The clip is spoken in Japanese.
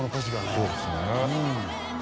そうですね